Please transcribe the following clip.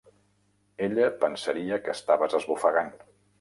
Ella pensaria que estaves esbufegant.